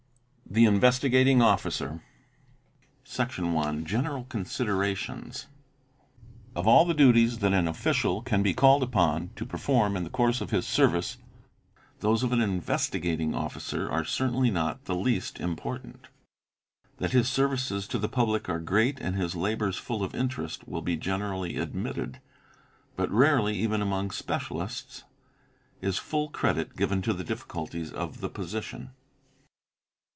THE INVESTIGATING OFFICER. Section i.—General Considerations. Or all the duties that an official can be called upon to perform in the course of his service those of an Investigating Officer are certainly not the least important. That his services to the public are great and his labours full of interest will be generally admitted, but rarely, even among specialists, is full credit given to the difficulties of the position.